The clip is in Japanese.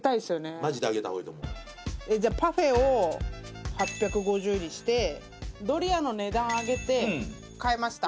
マジで上げた方がいいと思うじゃあパフェを８５０にしてドリアの値段上げて変えました